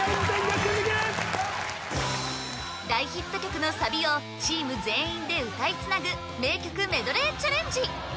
大ヒット曲のサビをチーム全員で歌いつなぐ名曲メドレーチャレンジ